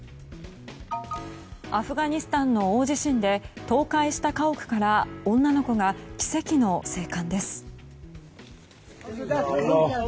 アフガニスタンの大地震で倒壊した家屋から女の子が奇跡の生還です。